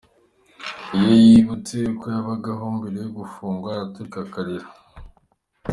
Iyo yibutse uko yabagaho mbere yo gufungwa araturika akarira.